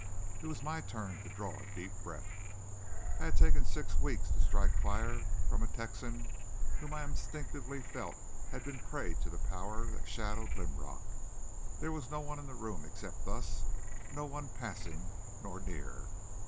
It was my turn to draw a deep breath. I had taken six weeks to strike fire from a Texan whom I instinctively felt had been prey to the power that shadowed Linrock. There was no one in the room except us, no one passing, nor near.